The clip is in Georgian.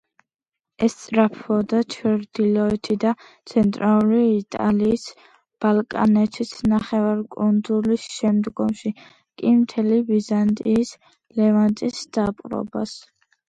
ესწრაფვოდა ჩრდილოეთი და ცენტრალური იტალიის, ბალკანეთის ნახევარკუნძულის, შემდგომში კი მთელი ბიზანტიის, ლევანტის დაპყრობას.